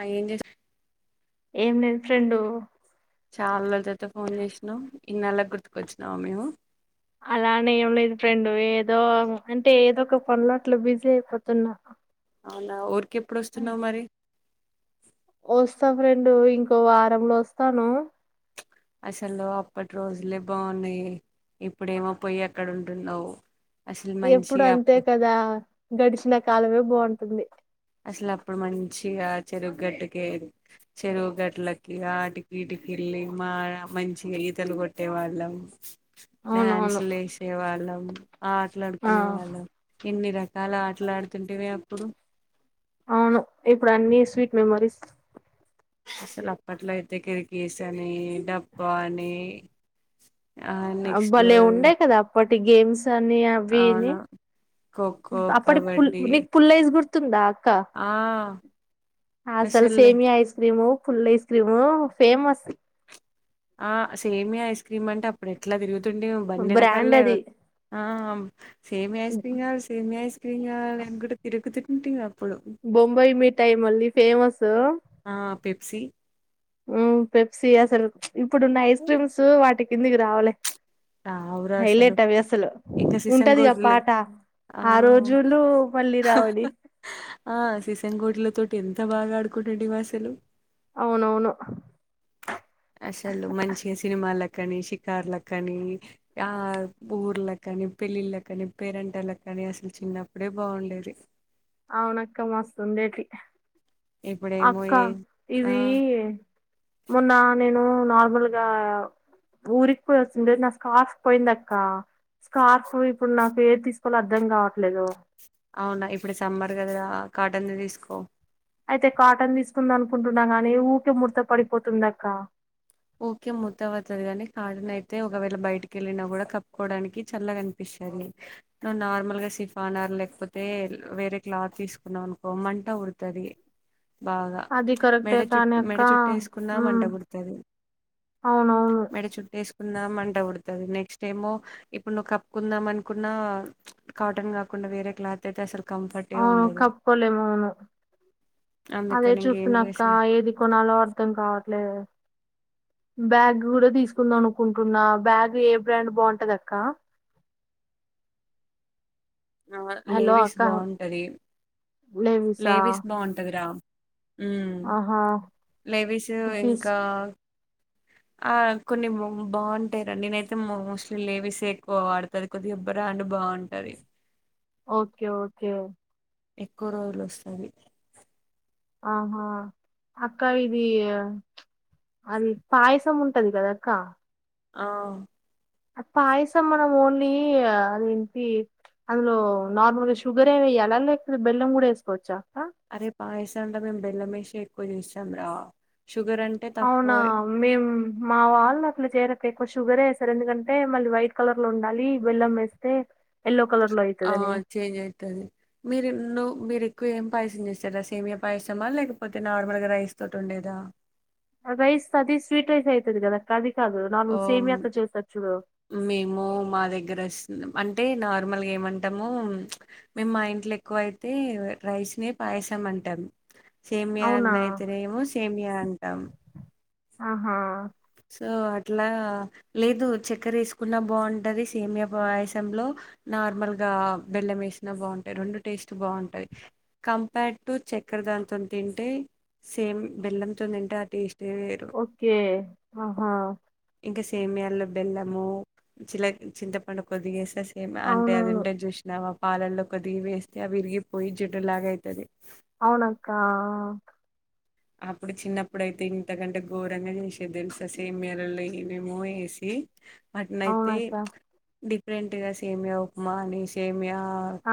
ఆ ఏం చేస్ ఏం లేదు ఫ్రెండు చాలా రోజుల తర్వాత ఫోన్ చేసిన ఇన్నాళ్లకు గుర్తుకొచ్చినామ మేము అలానే ఏం లేదు ఫ్రెండు ఏదో అంటే ఏదో ఒక పనుల్లో అట్ల బిజీ అయిపోతున్నా అవునా ఊర్ కెప్పుడొస్తున్నావ్ మరి వస్తా ఫ్రెండు ఇంకో వారంలో వస్తాను అసలు అప్పటి రోజులే బాన్నాయి ఇప్పుడేమో పోయి అక్కడ ఉంటున్నావు అసలు ఎప్పుడు మంచిగా అంతే అప్పు కదా గడిచిన కాలమే బాగున్ తుంది అసలు అప్పుడు మంచిగా చెరుగట్టుకే చెరువుగట్లకి ఆటికీటికి వెళ్ళి మా మంచిగా ఈతలు కొట్టే వాళ్ళము డ్యాన్స్ అవునవును లేసే వాళ్ళం ఆ ఆ ఆట్లాడుకునే వాళ్ళం ఎన్ని రకాల ఆటలు ఆడుతుంటివే అప్పుడు అవును ఇప్పుడు అన్ని స్వీట్ మెమొరీస్ అసలు అప్పట్లో అయితే కిరికీస్ అని డబ్బా అని ఆ అ నెక్స్ట్ భలే ఉండే కదా అప్పట్ టి గేమ్స్ సని అవి ఇవి అవును ఖోఖో అప్పుడి పుల్ కబడ్డీ నిక్ పుల్లైస్ గుర్తు తుందా క్క ఆ అసల అసలు సేమియా ఐస్ క్రీము పుల్ల ఐస్ క్రీమ్ ఫేమస్ ఆ సేమియా ఐస్ క్రీమ్ అంటే అప్పుడు ఎట్లా తిరుగుతు తుండువి బ్రాండ్ బండినెకాలలే అది ఆ సేమియా ఐస్ క్రీమ్ కావాల సేమి ఐస్ క్రీమ్ కావాల అనుకుంట తిరుగుతు ఇంటింగబ్ బొంబాయి మిఠాయి మళ్ళీ ఫేమస్సు ఆ పెప్సీ ఉమ్ పెప్సి అసలు ఇప్పుడున్న ఐస్ క్రీమ్స్ వాటి కిందుకి రావులే రావు రా అసలు ఇంకా ఉంటదిగా శిసంగోడ్లు పాట ఆ ఆవ్ రోజులు మళ్ళీ రావడి ఆ శిసంగోడ్ల తో టి ఎంత బాగా ఆడుకుంటుంటిమసలు అవునవును అసలు మంచింగా సినిమాల కని షికార్లక్ కని ఆ ఊర్ళ కాని పెళ్ళిళ్ళ కాని పేరంటాలకని అసలు చిన్నప్పుడే బావుండేది అవునక్క మస్తుండేటి ఇప్పుడేమో అక్క ఏ ఆ ఇవి మొన్న నేను నార్మల్గా ఊరికి పోయి వస్తుంటే నా స్కార్ఫ్ పోయింది అక్క స్కార్ఫ్ ఇప్పుడు నాకు ఏది తీసుకోవాలో అర్ధం కావట్లేదు అవునా ఇప్పుడు సమ్మర్ కదా రా కాటన్ ది తీసుకో అయితే కాటన్ తీసుకుందనుకుంటున్నా కాని ఊకే ముడత పడిపోతుందక్క ఓకే మూత్తవతది కాని కార్డన్ అయితే ఒకవేళ బయటికి వెళ్ళినా కూడా కప్పుకోవడానికి చల్లగా అనిపిస్తది ఆ నార్మల్ గా సిఫానార్ లేకపోతే వేరే క్లాత్ తీసుకున్నాం అనుకో మంట పుడుతది బాగా అది కరెక్టే మెడ కానీ చుట్టు అక్క మెడ చుట్టు వేసుకున్నా మంట ఉమ్ పుడుతది అవునవును మెడ చుట్టూ వేసుకుందా మంట పుడుతుంది నెక్స్ ఏమో ఇప్పుడు నువ్వు కప్పుకుందాం అనుకున్నా కాటన్ కాకుండా వేరే క్లాత్ అయితే అసలు కంఫర్టే అవును ఉండదు కప్పుకోలేము అవును అదే అందుకని ఇంకేం చూస్తున్నా అక్క చేసాం ఏది కొనాలో అర్ధం కావట్లేదు బ్యాగ్ కూడా తీసుకుందాం అనుకుంటున్నా బ్యాగ్ ఏ బ్రాండ్ బావుంటది అక్క ఆ హలో లేవీస్ అక్క బావుంటది లేవిసా లేవీస్ బావుంటాది రా ఉమ్ ఆహా లేవీస్ తీస్ ఇంకా ఆ కొన్ని బావుంటాయి రా నేనైతే మోస్ట్లీ లేవీస్ ఎక్కువ వాడుతది కొద్దిగా బ్రాండ్ బావుంటది ఓకే ఓకే ఎక్కువ రోజులు వస్తాది ఆహా అక్క ఇది అది పాయసం ఉంటది కదా అక్క ఆ పాయసం మనం ఓన్లీ అది ఏంటి అందులో నార్మల్గా షుగర్ ఏ వెయ్యాలా లేకపోతే బెల్లం కూడా ఏసుకోవచ్చా అరే పాయసం ల మేం బె ల్లమేషే ఎక్కువ చేష్తాం రా షుగర్ అంటే అవునా తక్కువ మేం మా వాళ్ళు అట్లు చేర క్క ఎక్కువ షుగర్ వేసారు ఎందుకంటే మళ్ళీ వైట్ కలర్ లో ఉండాలి బెల్ల్ం వేస్తే ఎల్లో కలర్ లో ఆ అయితదని చేంజ్ ఐతది మీరున్ను మీరు ఎక్కువ ఏం పాయసం చేస్తేరా సేమియ పాయసమా లేకపోతే నార్మల్గా రైస్ తోటి ఉండేదా [unintelligible] కాది ఓ మేము మా దగ్గర వస్తుంది అంటే అంటే నార్మల్గా ఏమంటాముో మేము మా ఇంట్లో ఎక్కువైతే రైస్నే పాయసం అంటాం సేమయా అవునా అన్న అయితేనేమో సేమయా అంటాం ఆహా సో అట్లాగ లేదు చక్కెర వేసుకున్న బంటాది సేమయాపయాసంలో నార్మల్గా బెల్లం వేసిన బంటాది రెండు టేస్ట్ బాగుంటుంది కంపేర్డ్ టు చక్కెర దానితో తింటే సేమ్ బెల్లంతో తింటే ఆ టేస్ట్ ఓకే ఆహా ఇంకా సేమయాల్లో బెల్లము చిల చింతపండు కొద్ది గెస్తే ఏ అంటే అవునవును అధంటది చూసినావా పాలల్లో ఒక దిగి వేస్తే అవి విరిగిపోయి జిడ్టులాగ అయితది అవునక్క అప్పుడు చిన్నప్పుడుయితే ఇంతకంటే ఘోరంగా చేసే తెలుస సేమెలలో ఇమేమో ఏసి వాటినయితే అవునక్క డిఫరెంట్ గా సేమ్యా ఉప్మా అని సేమ్యా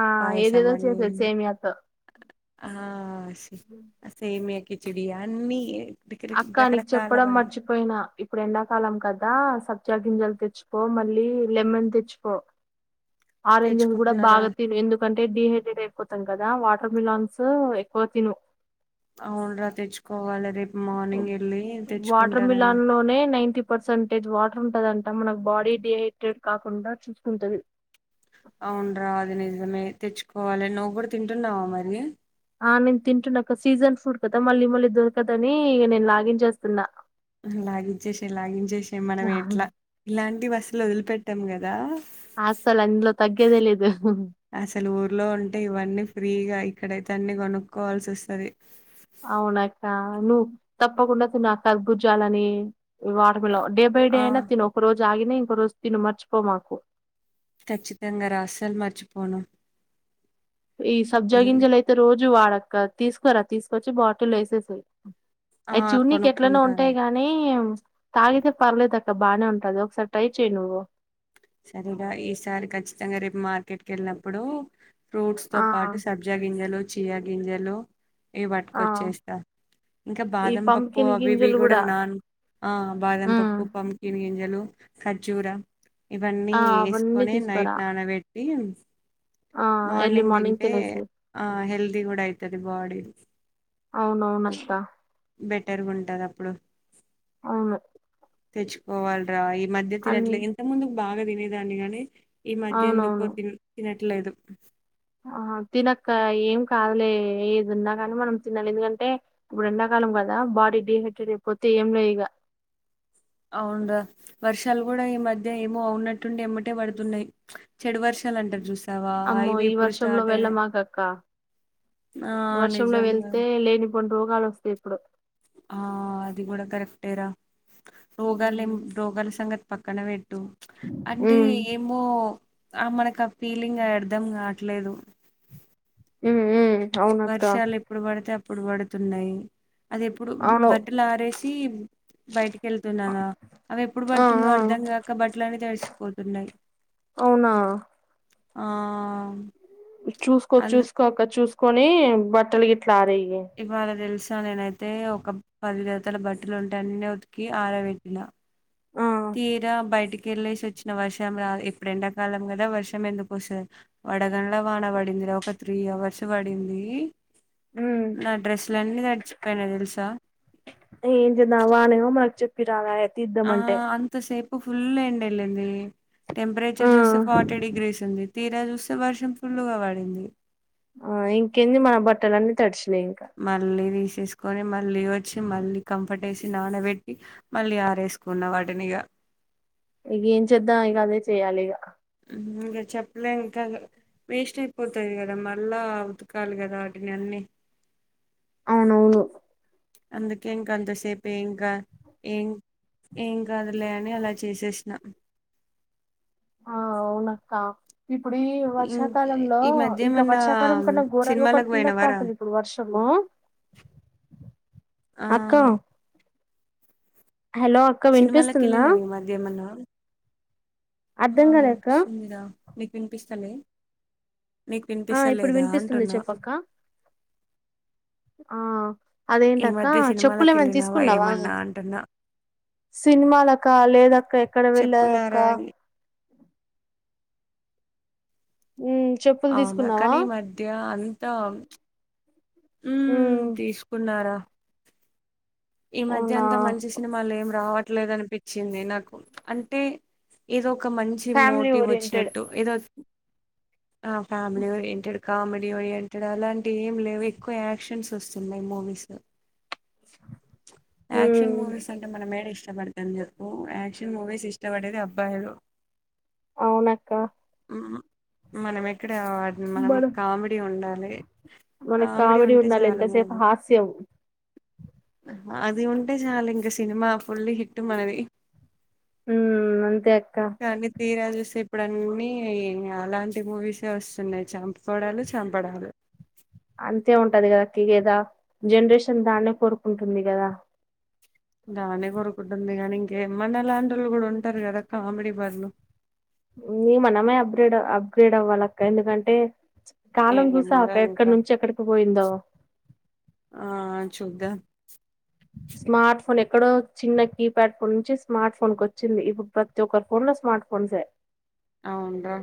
ఆ ఏదేదో చేసది సేమియాతో ఆ సేమియా కిచడి అన్ని రకర- అక్క నీకు చెప్పడం రకరకాలవన్నీ మర్చిపోయినా ఇప్పుడు ఎండాకాలం కద కదా సబ్జా గింజాలు తెచ్చికో మళ్ళీ లెమన్ తెచ్చికో ఆరెంజెలు కూడా తెచ్చుకుంటున్నారా బాగా తిను ఎందుకంటే డిహైడ్రేట్ అయిపోతాం కదా వా వాటర్మెలన్స్ ఎక్కువ తిను అవునురా తెచ్చుకోవాలి రేపు మార్నింగ్ వెళ్ళి తెచ్చుకుంటారయనా పర్సంటేజ్ వాటర్ ఉంటందంటా మనకు బాడీ డిహైడ్రేట్ కాకుండా చూసుకుంటది అవునరా అది నిజమే తెచ్చుకోవాలి నువ్వు కూడా తింటున్నావా మరి ఆ నేను తింటున్నా ఒక సీజన్ ఫ్రూట్ కదా మళ్ళీ మళ్ళీ దొరకదని ఇక నేను లాగించేస్తున్న లాగించేసే లాగించేసే మనం ఎట్లా ఇలాంటి వ అస్లు వదిలిపెట్టాం కదా అస్సలు అందులో తగ్గేదే లేదు అసలు ఊర్లో ఉంటే ఇవన్నీ ఫ్రీగా అయి ఇక్కడైతే అన్ని కొనుక్కోవాల్సి వస్తది అవునక్క నువ్వు తప్పకుండా తిను కర్పుర్జాలని watermelon day by day ఆ అన్న తిను ఒక రోజు జాగిన ఇన్కో రోజు తిను మర్చిపో మాకు ఖచ్చితంగా రా అసలు మరిచిపోను ఈ సబ్జా గింజలు అయితే రోజు రోజు వాడు అక్క తీసుకోరా తీసుకొచ్చి బాటిల్ వేసేసా ఆ అవి చూనీకి ఎట్లనో కొనుక్కుంటాను ఉంటాయి గానీ తాగితే పర్లేదుదక్క బాగానే ఉంటది ఒకసారి ట్రై చెయ్య నువ్వు సరే గా ఈసారి ఖచ్చితంగా రేపు మార్కెట్ కి వెళ్ళినప్పుడు ఫ్రూట్స్ తో ఆ పాటు సబ్జా గింజాలు చియా గింజలు ఇవి ఆ పట్టుకొచ్చేస్తా ఇంకా ఈ బాదం పప్పు పంకిన్ అవి వి గింజలు కూడా నాన్ ఆ బాదం ఉమ్ పప్పు పంకిన్ లు ఖర్జూర ఇవన్నీ ఆ అవన్నీ వేసుకొని నైట్ తీసుకురా నానబెట్టి ఆ ఎర్లీ మార్నింగ్ తింటే తినేసేయ్ ఆ హెల్దీ కూడా అయితది బాడీ అవున అవును అత్త బెటర్గా ఉంటుంది అప్పుడు అవును తెచ్చుకోవాలరా మధ్య అన్ తినట్లు ఇంత ముందుకు బాగా తినే దాన్ని గాని ఈ మధ్య ఎందుకో అవునవును తిన్ తి లేదు ఆ తిన అక్క ఏం కాదలే ఏది ఉన్నా కానీ మనం తినాలి ఎందుకంటే ఇప్పుడు ఎండాకాలం కదా బాడీ డిహైడ్రేట్ అయిపోతే ఏం లే ఇగా అవున రా వర్షాలు కూడా ఈ మధ్య ఏమో ఉన్నట్టుండి ఎమ్మటే పడుతున్నాయి చెడు వర్ష అమ్మో ఈ వర్షంలో అయినాయి వెళ్ళమాక అక్క ఆ వర్షంలో నిజంగా వెళ్తే లేని పో కొన్ని రోగాలు వస్తాయి ఇప్పుడు ఆ అది కూడా కరెక్టే రా రోగాలెం ఉమ్ రోగాల సంగతి పక్కన పే టు అంటే ఉమ్ ఏమో ఆ మనకు ఆ ఫీలింగ్ అర్ధం కాట్లేదు ఉహు హు వర్షాలు ఎప్పుడు పడితే ఇప్పుడు పడుతున్నాయి అది ఎప్పుడు అవును బట్టలు ఆరేసి టీం బయటికి వెళ్తున్నారా అది ఎప్పుడు ఆ పడుతుందో ఆ అర్ధం కాక బట్టలన్నీ తడిసిపోతున్నాయి అవునా ఆ చూసుకో అందు చూసుకో అక్క చూస కొని బట్టలు గిటా ఇవాళ తెలుసా నేనైతే ఒక పది జతల బట్టలు ఉంటే అన్నీ ఉతికి ఆరబెటిన ఆ తీరా బైటి కేల్లేసి వచ్చిన వర్షం రా ఇప్పుడు ఏండాకాలం కదా వర్షం ఎందుకు వస్తాది వడగన్లా వాన పడింది రా ఒక త్రీ అవర్స్ పడింది ఉమ్ నా డ్రెస్సులన్నీ తడిచిపోయినాయి తెలుసా ఏంచేద్దాం వానేమో మంచ్ రాదే ఆ అంత సేపు ఫుల్ ఎండ ఎలింది ఆ టెంపరేచర్ చూస్తే ఫార్టీ డిగ్రీస్ ఉంది తీరా చూస్తే వర్షం ఫుల్గా పడింది ఆ ఇంకేంది మన బట్టలన్నీ తడిచి మళ్ళీ తీసెసి కొని మళ్ళీ వచ్చి మళ్ళీ కంఫర్ట్ వేసి నానబెట్టి మళ్ళీ ఆరేసుకున్న వాటిని ఇగ నీ ఇగా ఏంచేద్దాం ఇగ అదే చెయ్యాలి ఇగా ఇంక చెప్పలే ఇంకా వేస్ట్ అయిపోతాది కదా మళ్ళా ఉతకాలి కదా ఆటిని అన్ని అవునవును అందుకే ఇంక అంతసేపు ఏంకా ఏం ఏం కాదులే అని అలా చేసేసినా ఆ అవునక్క ఇప్పుడు ఈ ఇం వర్షాకాలంలో ఈ మధ్య ఇంకా ఏమన్నా వర్షాకాలం కన్నా ఘోరంగా సినిమాలకు పడుతుంది అక్క పోయినవారా అసలు ఇప్పుడు వర్షము ఆ అక్కా సినిమాలకి వెళ్లినావా ఈ మధ్య ఎమైనా అర్ధం ఆ కాలే అక్క వినిపిస్తుంది రా నీకు వినిపిస్తలే నీకు ఆ ఇప్పుడు వినిపిస్తలేదా వినిపిస్తుంది అంటున్నా చెప్పక్క ఆ అదేంటి ఈ అక్క మధ్య చెప్పులు సినిమాలకు ఏమైనా వెళ్ళినావా తీసుకున్నావా ఏమన్నా అంటున్నా సినిమాలకా లేదక్క ఎక్కడ వెళ్ళక్క చెప్పులారా చెప్పులు అవున తీసుకున్నావా కనీ ఈ మధ్య అంతా హుమ్ ఉమ్ తీసుకున్నారా ఈ మధ్య అవునా అంత మంచి సినిమాలు ఏం రావ ట్ల అనిపించింది నాకు అంటే ఏదో ఒక మంచి ఫ్యామిలీ మోటివ్ ఓరియంటెడ్ వచ్చినట్టు ఏదో ఆ ఫ్యామిలీ ఓరియెంటెడ్ కామెడీ ఓరియెంటెడ్ అలాంటివి ఏం లేవు ఎక్కువ యాక్షన్స్ వస్తున్నాయి మూవీస్ ఉమ్ ఆక్షన్ మూవీస్ అంటే మన మేడ ఇష్ట ఇష్టపడతాను చెప్పు యాక్షన్ మూవీస్ ఇష్టపడేది అబ్బాయిలు అవును అక్క మనం ఎ ఇక్కడ మనకి బడు కామెడీ ఉండాలి మనకు కామెడీ ఉంటే ఉండాలి చాలు ఎంతసేపు మూవీ హాస్యం అది ఉంటే చాలు ఇంక సినిమా ఫుల్ హిట్ మనది ఉ అంతే అ అ [unintelligible] తీరా చూస్తే ఇప్పుడు అన్నీ అలాంటి మూవీస్ ఏ వస్తున్నాయి చంపుకోవడాలు చంపడాలు అంతే ఉంటది కదా అక్క ఇదా జనరేషన్ దాన్నే కోరుకుంటుంది కదా దానే కొరుకుంటుంది కానీ ఇంకేమన్నా లాంటోళ్లు కూడా ఉంటారు కదా కామెడీ వాళ్ళు హుమ్ మనమే అప్గ్రేడ్ అప్గ్రేడ్ అవ్వాలి అక్క ఎందుకంటే కాలం చూసావా ఏమోరా అక్క ఎక్కడి ఇంకా నుంచి ఎక్కడికి పోయిందో ఆ చూద్దాం స్మార్ట్ ఫోన్ ఎక్కడో చిన్న కీప్యాడ్ ఫోన్ నుంచి స్మార్ట్ ఫోన్ కి వచ్చింది ఇప్పుడు ప్రతి ఒక్కరి ఫోన్ లో స్మార్ట్ ఫోన్సే అవును రా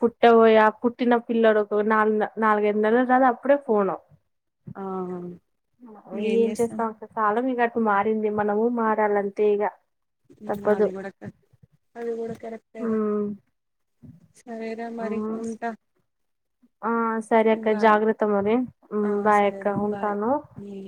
పుట్టబోయే పుట్టిన పిల్లడుకు నాలుగు నాలుగైదు నెలలు రాదు అప్పుడే ఫోను ఆ ఏం చేస్తాం అక్క కాలం ఇగా మారింది మనము మారాలంతే ఇగా అది కూడా అది కూడా కరెక్టేరా ఉమ్ సరేరా మరి ఉమ్ ఉంటా ఆ సరే అక్క బాయ్ జాగ్రత్త మరి ఉ ఆ బాయ్ అక్క సరేరా బాయ్ ఉంటాను ఉమ్.